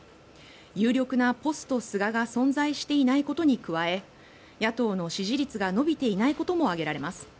有力なポスト菅が存在していないことに加え野党の支持率が伸びていないことも挙げられます。